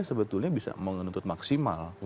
sebetulnya bisa menuntut maksimal